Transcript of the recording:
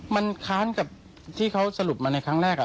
มันค้านกับที่เขาสรุปมาในครั้งแรก